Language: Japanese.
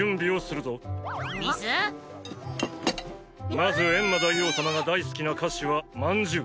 まずエンマ大王様が大好きな菓子はまんじゅう。